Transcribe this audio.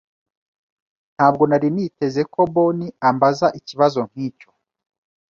Ntabwo nari niteze ko Boni ambaza ikibazo nkicyo.